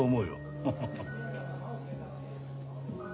ハハハッ。